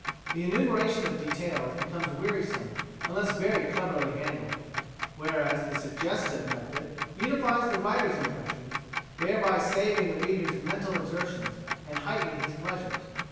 The enumeration of details becomes wearisome unless very cleverly handled, whereas the suggestive method unifies the writer's impressions, thereby saving the reader's mental exertions and heightening his pleasures.